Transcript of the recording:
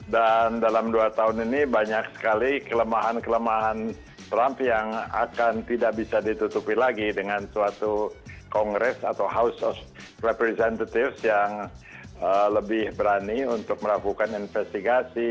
dalam dua tahun ini banyak sekali kelemahan kelemahan trump yang akan tidak bisa ditutupi lagi dengan suatu kongres atau house of representities yang lebih berani untuk melakukan investigasi